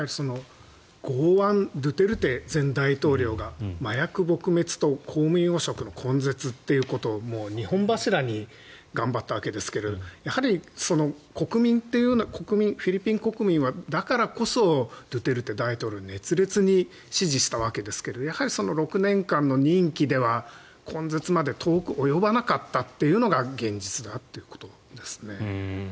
剛腕ドゥテルテ前大統領が麻薬撲滅と公務員汚職の根絶ということを二本柱に頑張ったわけですがフィリピン国民はだからこそ、ドゥテルテ大統領を熱烈に支持したわけですがやはり６年間の任期では根絶まで遠く及ばなかったというのが現実だということですね。